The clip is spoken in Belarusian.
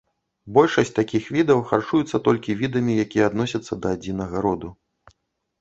Большасць такіх відаў харчуюцца толькі відамі, якія адносяцца да адзінага роду.